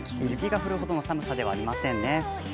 雪が降るほどの寒さではありませんね。